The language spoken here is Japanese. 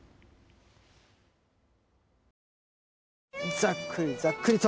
ざっくりざっくりと。